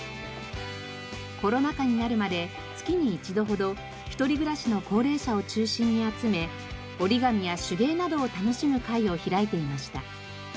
コロナ禍になるまで月に一度ほど独り暮らしの高齢者を中心に集め折り紙や手芸などを楽しむ会を開いていました。